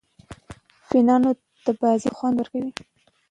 فېنانو ته بازي ډېره خوند ورکوي.